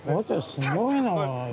◆すごいな。